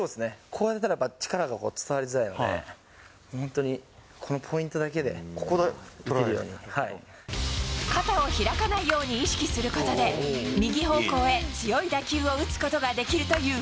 こうやったらやっぱり力は伝わりづらいので、本当に、このポイン肩を開かないように意識することで、右方向へ強い打球を打つことができるという。